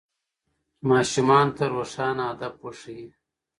ماشومانو ته روښانه هدف وښیئ.